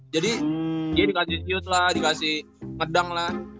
jadi dia dikasih shoot lah dikasih medang lah